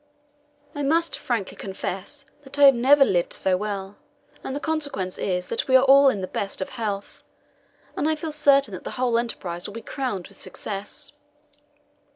I must frankly confess that I have never lived so well. And the consequence is that we are all in the best of health, and I feel certain that the whole enterprise will be crowned with success.